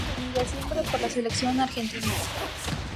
Fue obtenida siempre por la Selección Argentina.